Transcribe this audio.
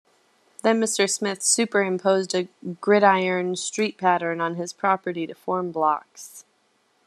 Then Mr. Smith superimposed a gridiron street pattern on his property to form blocks.